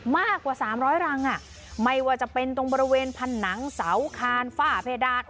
มากกว่า๓๐๐รังไม่ว่าจะเป็นตรงบริเวณผนังเสาคานฝ้าเพดาน